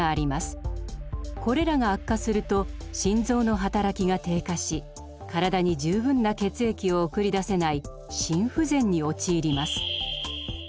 これらが悪化すると心臓の働きが低下し身体に十分な血液を送り出せない心不全に陥ります。